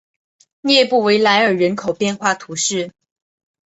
列布维莱尔人口变化图示